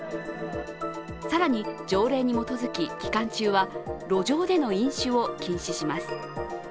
更に条例に基づき、期間中は路上での飲酒を禁止します。